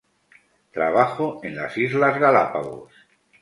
Trabajo en las Islas Galápagos